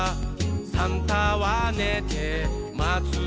「サンタはねてまつのだ」